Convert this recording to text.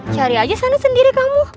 cari aja sana sendiri kamu